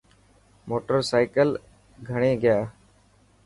موٽر سائيڪل کڻي گيا.